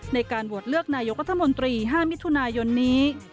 ในการโหวตเลือกนายกรัฐมนตรี๕มิถุนายนนี้